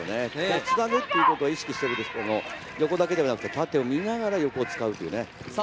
つなぐっていうことを意識しているんですけど、横だけではなく縦を見ながら横を使うというね。